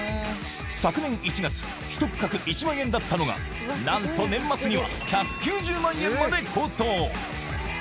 昨年１月、１区画１万円だったのが、なんと年末には１９０万円まで高騰。